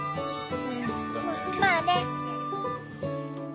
まあね。